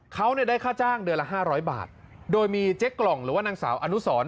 เขาเนี่ยได้ค่าจ้างเดือนละ๕๐๐บาทโดยมีเจ๊กล่องหรือว่านางสาวอนุสร